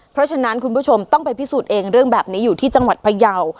เพราะฉะนั้นคุณผู้ชมต้องไปพิสูจน์เองเรื่องแบบนี้อยู่ที่จังหวัดพยาว